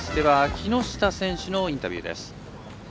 木下選手のインタビューです。